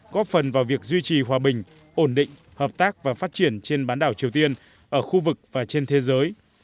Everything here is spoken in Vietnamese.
góp phần vào việc duy trì hòa bình ổn định hợp tác và phát triển trên bán đảo triều tiên ở khu vực và trên thế giới